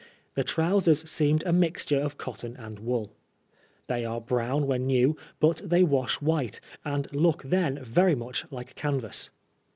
The trousers seemed a mixture of cotton and wool. They are brown when new, but they wash white, and look then very much like canvas.